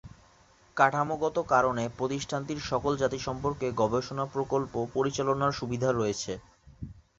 কাঠামোগত কারণে প্রতিষ্ঠানটির সকল জাতি সম্পর্কে গবেষণা প্রকল্প পরিচালনার সুবিধা রয়েছে।